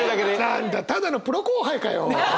何だただのプロ後輩かよ。